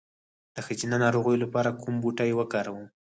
د ښځینه ناروغیو لپاره کوم بوټی وکاروم؟